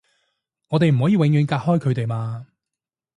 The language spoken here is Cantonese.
我哋唔可以永遠隔開佢哋嘛